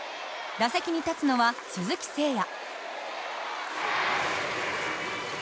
打席に立つのは鈴木誠也。